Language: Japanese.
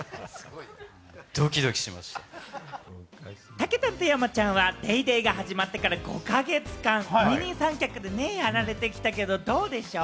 たけたんと山ちゃんは『ＤａｙＤａｙ．』が始まってから５か月間、二人三脚でね、やられてきたけれども、どうでしょう？